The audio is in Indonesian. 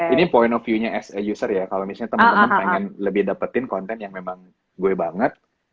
ini point of view nya as a user ya kalau misalnya teman teman pengen lebih dapetin konten yang memang gue banget